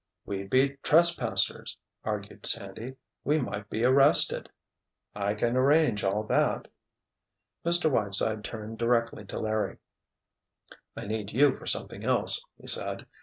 "We'd be trespassers," argued Sandy. "We might be arrested." "I can arrange all that." Mr. Whiteside turned directly to Larry. "I need you for something else," he said.